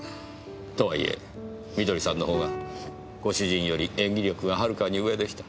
とはいえ美登里さんのほうがご主人より演技力ははるかに上でした。